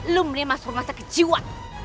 lo mending masuk rumah sakit jiwa